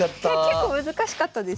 結構難しかったですね。